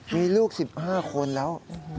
มีลูก๑๕คนแล้ว